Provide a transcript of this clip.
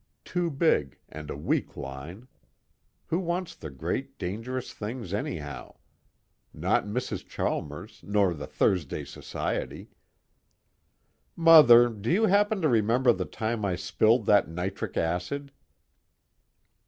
Too big, and a weak line; who wants the great dangerous things anyhow? Not Mrs. Chalmers nor the Thursday Society. "Mother, do you happen to remember the time I spilled that nitric acid?"